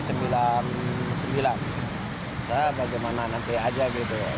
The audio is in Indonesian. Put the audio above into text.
saya bagaimana nanti saja gitu ya